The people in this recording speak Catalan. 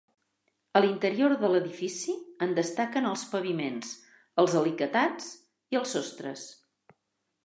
A l'interior de l'edifici en destaquen els paviments, els alicatats i els sostres.